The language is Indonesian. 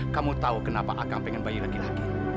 kamu tau kenapa akang pengen bayi laki laki